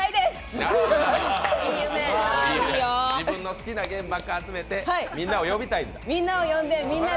自分の好きなゲームばっかり集めてみんなを呼びたいんだ。